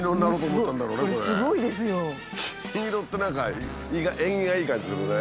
金色って何か縁起がいい感じするね。